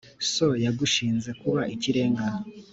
So yagushinze kuba ikirenga